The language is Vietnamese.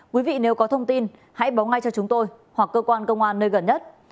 quý vị nếu có thông tin hãy báo ngay cho chúng tôi hoặc cơ quan công an nơi gần nhất